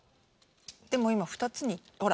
でも今２つにほら。